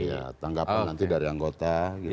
iya tanggapan nanti dari anggota